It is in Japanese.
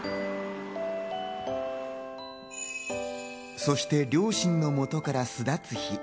そして両親の元から巣立つ日。